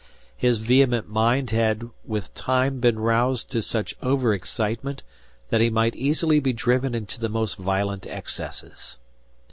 His vehement mind had with time been roused to such over excitement that he might easily be driven into the most violent excesses.